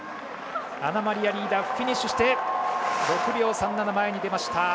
アナマリア・リーダーフィニッシュして、６秒３７前に出ました。